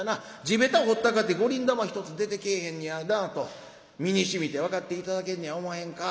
地べた掘ったかて五厘玉一つ出てけぇへんねやなと身にしみて分かって頂けんねやおまへんか』